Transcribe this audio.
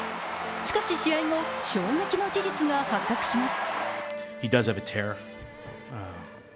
しかし、試合後、衝撃の事実が発覚します。